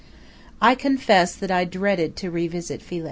I confess that I dreaded to revisit Philae.